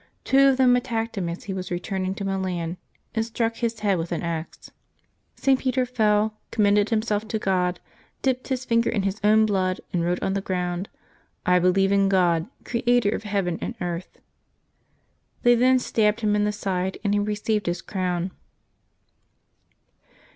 Two of them attacked him as he was returning to Milan, and struck his head with an axe. St. Peter fell, com mended himself to God, dipped his finger in his own blood, and wrote on the ground, "I believe in God, Creator of heaven and earth." They then stabbed him in the side, and he received his crovm.